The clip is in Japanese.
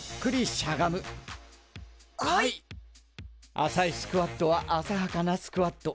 浅いスクワットは浅はかなスクワット。